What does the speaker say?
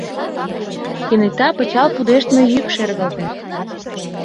Кенета пычал пудештме йӱк шергылте.